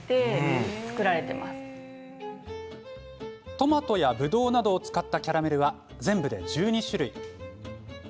トマトや、ぶどうなどを使ったキャラメルは全部で１２種類。